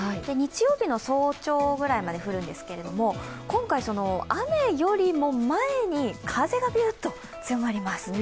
日曜日の早朝ぐらいまで降るんですけれども、今回、雨よりも前に風がビューッと強まります。